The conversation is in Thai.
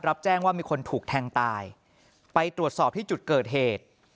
รับแจ้งว่ามีคนถูกแทงตายไปตรวจสอบที่จุดเกิดเหตุ